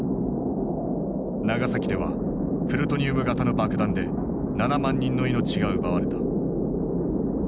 長崎ではプルトニウム型の爆弾で７万人の命が奪われた。